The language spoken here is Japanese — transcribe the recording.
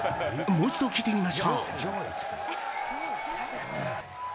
もう一度、聴いてみましょう。